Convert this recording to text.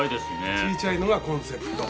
小ちゃいのがコンセプト。